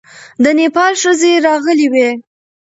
د نېپال ښځې راغلې وې.